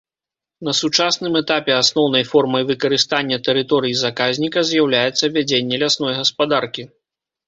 На сучасным этапе асноўнай формай выкарыстання тэрыторыі заказніка з'яўляецца вядзенне лясной гаспадаркі.